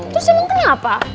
terus yang makanya apa